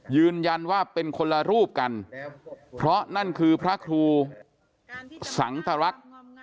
ยืนยันว่าเป็นคนละรูปกันเพราะนั่นคือพระครูสังตรรักษ์